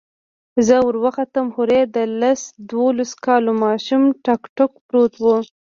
زه وروختم هورې د لس دولسو كالو ماشوم ټوك ټوك پروت و.